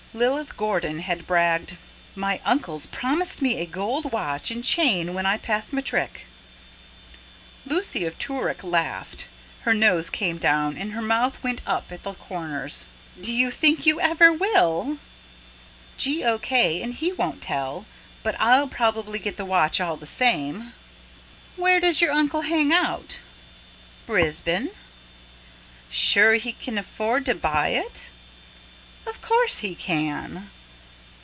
Lilith Gordon had bragged: "My uncle's promised me a gold watch and chain when I pass matric." Lucy of Toorak laughed: her nose came down, and her mouth went up at the corners. "Do you think you ever will?" "G. o. k. and He won't tell. But I'll probably get the watch all the same." "Where does your uncle hang out?" "Brisbane." "Sure he can afford to buy it?" "Of course he can."